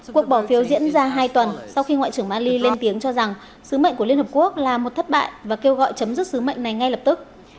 cuộc bỏ phiếu diễn ra hai tuần sau khi ngoại trưởng mali lên tiếng cho rằng sứ mệnh của liên hợp quốc là một thất bại và kêu gọi chấm dứt sứ mệnh này ngay lập tức